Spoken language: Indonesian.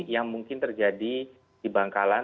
yang mungkin terjadi di bangkalan